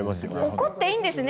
怒っていいんですね？